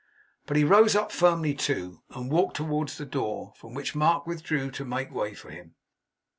But he rose up firmly too, and walked towards the door, from which Mark withdrew to make way for him.